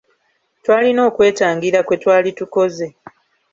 Twalina okwetangira kwe twali tukoze.